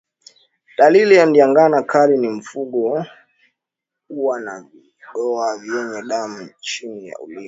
Dalili ya ndigana kali ni mfugo kuwa na vidoa vyenye damu chini ya ulimi